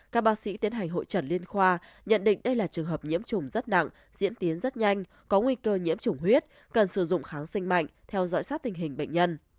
các bác sĩ tiến hành hội trần liên khoa nhận định đây là trường hợp nhiễm trùng rất nặng diễn tiến rất nhanh có nguy cơ nhiễm chủng huyết cần sử dụng kháng sinh mạnh theo dõi sát tình hình bệnh nhân